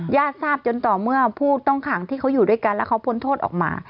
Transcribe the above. ญาติทราบจนต่อเมื่อผู้ต้องขังที่เขาอยู่ด้วยกันแล้วเขาพ้นโทษออกมา